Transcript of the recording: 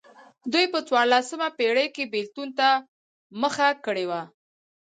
دوی په څوارلسمه پېړۍ کې بېلتون ته مخه کړې وه.